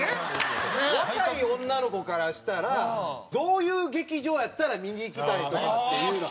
若い女の子からしたらどういう劇場やったら見に行きたいとかっていうのは。